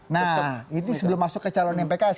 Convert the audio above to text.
nah itu sebelum masuk ke calon yang pks